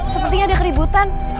sepertinya ada keributan